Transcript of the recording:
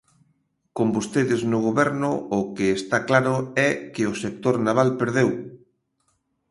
Con vostedes no Goberno o que está claro é que o sector naval perdeu.